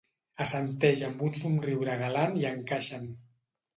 Assenteix amb un somriure galant i encaixen.